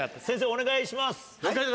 先生お願いします。